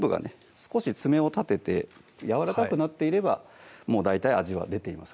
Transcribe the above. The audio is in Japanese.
少し爪を立ててやわらかくなっていればもう大体味は出ています